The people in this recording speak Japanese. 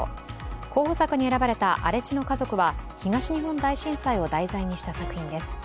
候補作に選ばれた「荒地の家族」は東日本大震災を題材にした作品です。